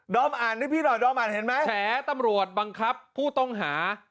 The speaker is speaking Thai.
อ่านให้พี่หน่อยดอมอ่านเห็นไหมแฉตำรวจบังคับผู้ต้องหา